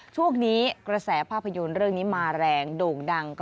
ช่วงนี้กระแสภาพยนตร์เรื่องนี้มาแรงโด่งดัง